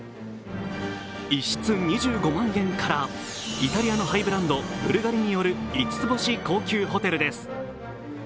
一室２５万円から、イタリアのハイブランド・ブルガリによる五つ星高級ホテルです。